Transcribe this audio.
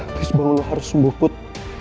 please bangun lo harus sembuh put